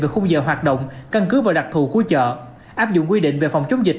về khung giờ hoạt động căn cứ và đặc thù của chợ áp dụng quy định về phòng chống dịch